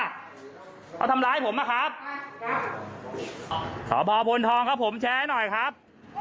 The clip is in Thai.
เขาทำร้ายผมอ่ะครับครับพ่อพ่อพูนทองครับผมแชร์ให้หน่อยครับ